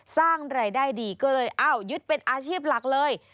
สร้างรายได้ดีก็เลยอ้าวยึดเป็นอาชีพหลักเลย